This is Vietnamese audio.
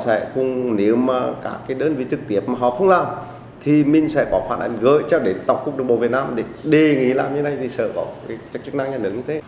họ sẽ cùng nếu mà cả cái đơn vị trực tiếp mà họ không làm thì mình sẽ có phản ánh gợi cho để tổng cục đồng bộ việt nam để đề nghị làm như thế này thì sở có cái chức năng nhà nước như thế